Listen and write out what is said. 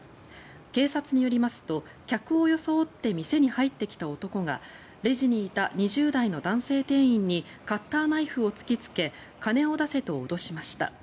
警察によりますと客を装って店に入ってきた男がレジにいた２０代の男性店員にカッターナイフを突きつけ金を出せと脅しました。